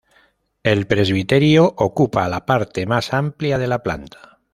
El presbiterio ocupa la parte más amplia de la planta.